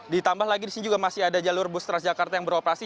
ditambah lagi di sini juga masih ada jalur bus transjakarta yang beroperasi